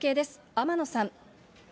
天野さん。